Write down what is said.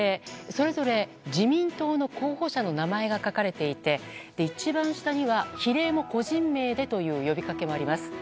それぞれ自民党の候補者の名前が書かれていて、一番下には比例も個人名でという呼びかけもあります。